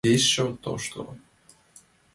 Пеш чот тошто.